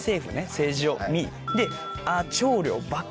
政治を見で。